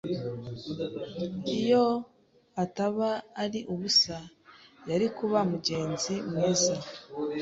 Iyo ataba ari ubusa, yari kuba mugenzi mwiza.